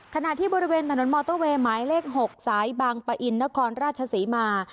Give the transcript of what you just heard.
ขณะที่บริเวณถนนมอเตอร์เวย์หมายเลข๖สายบางปะอินนครราชศรีมา